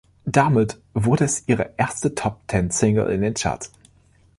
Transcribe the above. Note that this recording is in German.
Damit wurde es ihre erste Top-Ten-Single in den Charts.